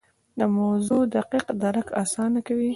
د موضوع دقیق درک اسانه کوي.